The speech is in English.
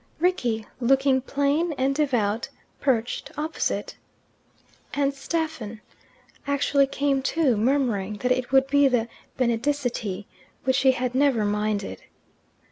Rickie, looking plain and devout, perched opposite. And Stephen actually came too, murmuring that it would be the Benedicite, which he had never minded.